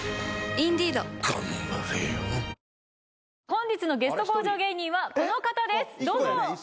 本日のゲスト向上芸人はこの方ですどうぞ。